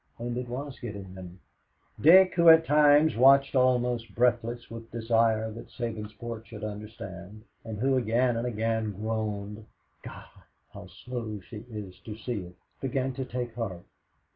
And it was getting them. Dick, who at times watched almost breathless with desire that Sabinsport should understand, and who again and again groaned, "God! how slow she is to see it," began to take heart.